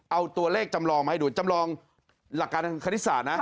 เอาตัวเลขจำลองมาให้ดูจำลองหลักการทางคณิตศาสตร์นะ